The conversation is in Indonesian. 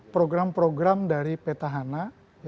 program program dari petahana